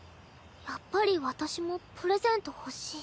やっぱり私もプレゼント欲しい。